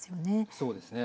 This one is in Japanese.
そうですね。